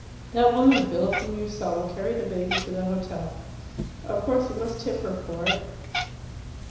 That woman, Philip, whom you saw will carry the baby to the hotel. Of course you must tip her for it.